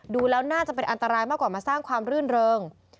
ดูแล้วน่าจะเป็นอันตรายมากกว่ามาสร้างความรื่นเริง